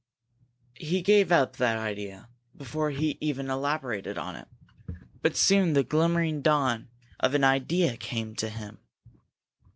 He gave up that idea before he even elaborated upon it. But soon the glimmering dawn of an idea did come to him.